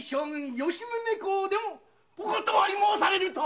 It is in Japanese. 吉宗公でもお断り申されると？